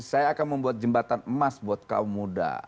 saya akan membuat jembatan emas buat kaum muda